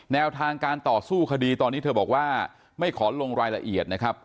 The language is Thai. แนวทางการต่อสู้คดีตอนนี้เธอบอกว่าไม่ขอลงรายละเอียดนะครับ